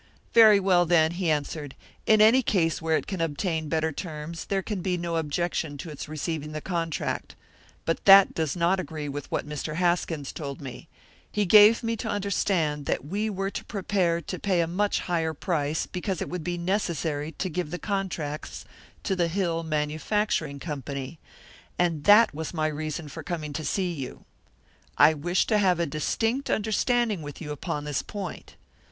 "Very well, then," he answered. "In any case where it can obtain better terms, there can be no objection to its receiving the contract. But that does not agree with what Mr. Haskins told me; he gave me to understand that we were to prepare to pay a much higher price because it would be necessary to give the contracts to the Hill Manufacturing Company; and that was my reason for coming to see you. I wish to have a distinct understanding with you upon this point.